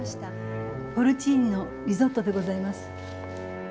ポルチーニのリゾットでございます。